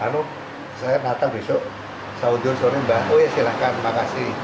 lalu saya datang besok saudara saudara mbak oh ya silahkan terima kasih